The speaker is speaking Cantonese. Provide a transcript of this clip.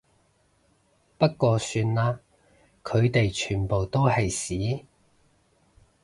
不過算啦，佢哋全部都係屎